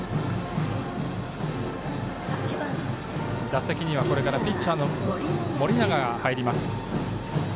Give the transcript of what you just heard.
打席には、これからピッチャーの盛永が入ります。